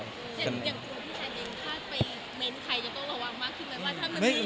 อย่างคุณพี่แทนเองถ้าไปเม้นต์ใครจะต้องระวังมากขึ้นไหมว่า